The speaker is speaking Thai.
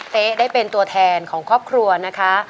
เต๊ได้เป็นตัวแทนของครอบครัวนะคะ